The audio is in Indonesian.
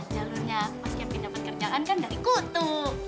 jalurnya mas kevin dapat kerjaan kan dari kutu